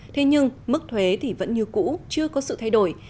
thế nhưng mức thuế thì vẫn như cũ chưa có sự thay đổi